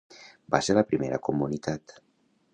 Va ser la primera comunitat.